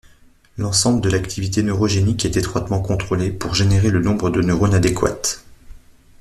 L'ensemble de l'activité neurogénique est étroitement contrôlé pour générer le nombre de neurones adéquat.